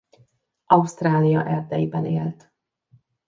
Ausztrália erdeiben élt.